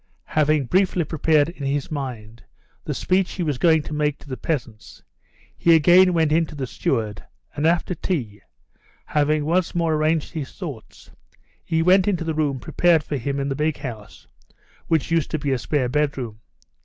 Having briefly prepared in his mind the speech he was going to make to the peasants, he again went in to the steward, and, after tea, having once more arranged his thoughts, he went into the room prepared for him in the big house, which used to be a spare bedroom.